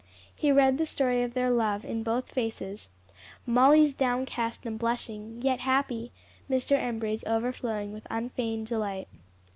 He read the story of their love in both faces Molly's downcast and blushing, yet happy; Mr. Embury's overflowing with unfeigned delight.